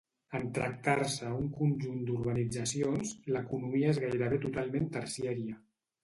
En tractar-se un conjunt d'urbanitzacions, l'economia és gairebé totalment terciària.